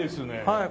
はい。